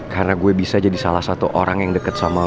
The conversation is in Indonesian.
karena gue bisa jadi salah satu orang yang deket sama lo